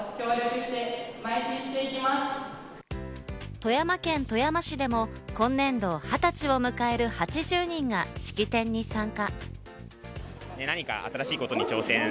富山県富山市でも今年度、二十歳を迎える８０人が式典に参加。